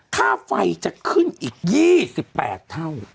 ค่าไฟจะขึ้นอีก๒๘เท่า